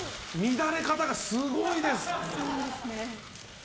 乱れ方がすごいです。